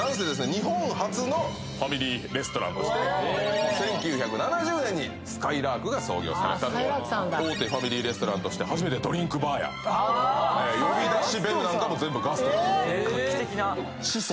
日本初のファミリーレストランとして１９７０年にすかいらーくが創業されたと大手ファミリーレストランとして初めてドリンクバーや呼び出しベルなんかも全部ガスト画期的な始祖？